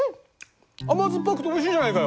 甘酸っぱくておいしいじゃないかよ！